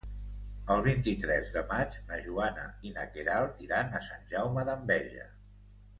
El vint-i-tres de maig na Joana i na Queralt iran a Sant Jaume d'Enveja.